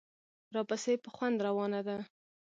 راپسې په خوند روانه ده.